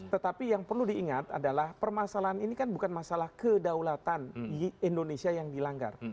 tetapi yang perlu diingat adalah permasalahan ini kan bukan masalah kedaulatan indonesia yang dilanggar